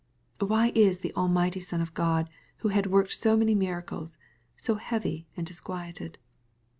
Why is the Almighty Son of God, who had worked so many miracles, so heavy and disquieted